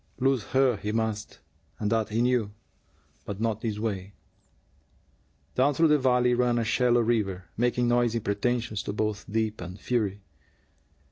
Lose her he must, and that he knew; but not this way. Down through the valley ran a shallow river, making noisy pretensions to both depth and fury.